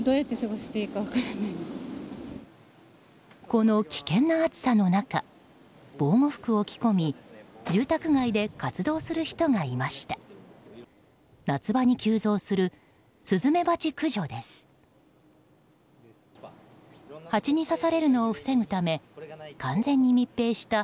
この危険な暑さの中防護服を着込み住宅街で活動する人がいました。